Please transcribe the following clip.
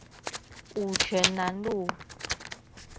五權南路